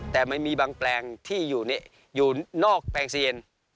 แต่มันมีบางแปลงที่อยู่นอกแปลงซีเย็น